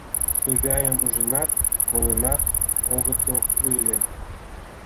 Тыгайым ужынат, колынат огытыл ыле.